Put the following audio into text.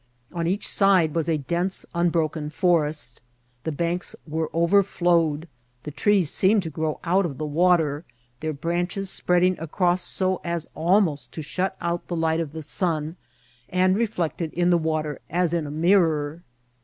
On each side was a dense, unbroken forest ; the banks were overflowed ; the trees seemed to grow out of the water, their branches spreading across so as almost to shut out the light of the sun, and reflected in the water as in a mirror.